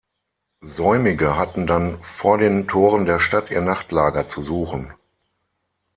Säumige hatten dann vor den Toren der Stadt ihr Nachtlager zu suchen.